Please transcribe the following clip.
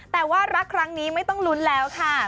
แต่ว่ารักครั้งนี้ไม่ต้องลุ้นแล้วค่ะ